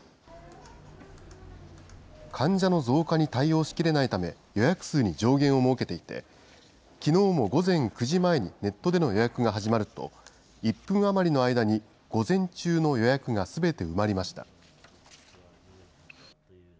患者の増加に対応しきれないため、予約数に上限を設けていて、きのうも午前９時前にネットでの予約が始まると、１分余りの間に午前中の予約がすべて埋まりました。